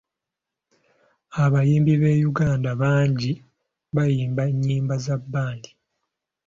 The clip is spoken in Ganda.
Abayimbi b’e Uganda bangi bayimba nnyimba za bbandi.